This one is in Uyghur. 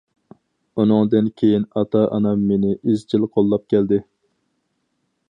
ئۇنىڭدىن كېيىن ئاتا- ئانام مېنى ئىزچىل قوللاپ كەلدى.